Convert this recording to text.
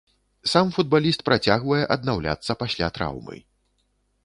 Сам футбаліст працягвае аднаўляцца пасля траўмы.